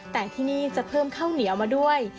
แต่ที่นี่จะเพิ่มข้าวเหนียวมาด้วย